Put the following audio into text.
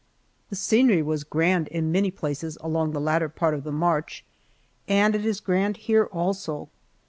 The scenery was grand in many places along the latter part of the march, and it is grand here, also.